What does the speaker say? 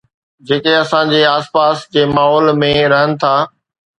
جيڪي اسان جي آس پاس جي ماحول ۾ رهن ٿا